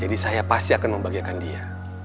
jadi saya pasti akan membagiakan dia